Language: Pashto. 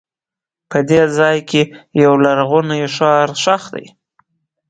په دې ځای کې یو لرغونی ښار ښخ دی.